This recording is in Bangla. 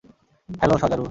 হ্যালো, শজারু।